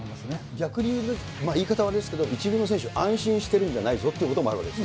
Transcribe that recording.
逆に、言い方悪いですけど、１軍の選手、安心してるわけじゃないぞというのもあるわけですね。